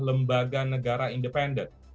lembaga negara independen